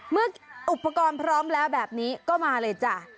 เมื่ออุปกรณ์พร้อมแล้วแบบนี้ก็มาเลยจ้ะ